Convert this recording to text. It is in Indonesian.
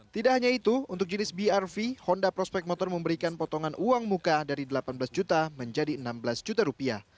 tidak hanya itu untuk jenis brv honda prospect motor memberikan potongan uang muka dari delapan belas juta menjadi enam belas juta rupiah